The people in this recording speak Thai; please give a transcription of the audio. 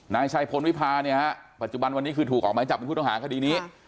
นายชัยพลวิพาเนี่ยฮะปัจจุบันวันนี้คือถูกออกไม้จับเป็นผู้ต้องหาคดีนี้